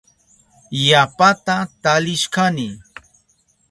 Yapata talishkani.